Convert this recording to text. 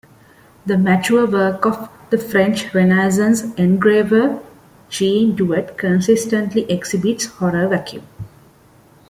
The mature work of the French Renaissance engraver Jean Duvet consistently exhibits horror vacui.